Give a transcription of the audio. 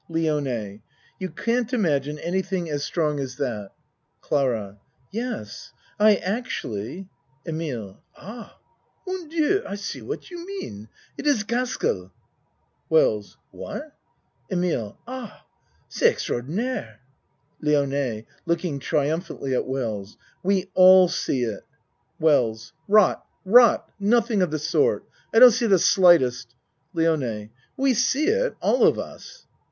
LIONE You can't imagine anything as strong 64 A MAN'S WORLD as that. CLARA Yes I actually EMILE Ah! Mon Dieu! I see what you mean. It is Gaskell. WELLS What EMILE Ah! C'est extraordinaire! LIONE (Looking triumphantly at Wells.) We all see it. WELLS Rot rot ! Nothing of the sort. I don't see the slightest LIONE We see it. All of us.